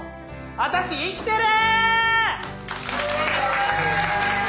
私生きてる！